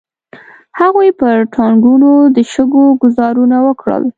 هغوی پر ټانګونو د شګو ګوزارونه وکړل.